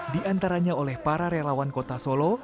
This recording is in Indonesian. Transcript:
diantaranya oleh para relawan kota solo